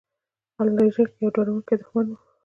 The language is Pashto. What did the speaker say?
الاریک یو ډاروونکی دښمن و.